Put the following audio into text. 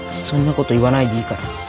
そんなこと言わないでいいから。